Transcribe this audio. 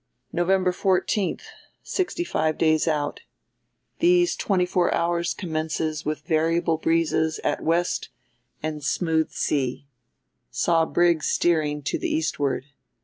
"November 14, 65 days out. These twenty four hours commences with variable breezes at west and smooth sea. Saw brig steering to the Eastward.